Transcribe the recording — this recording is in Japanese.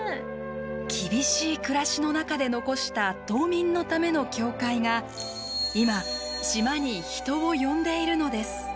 厳しい暮らしの中で残した島民のための教会が今島に人を呼んでいるのです。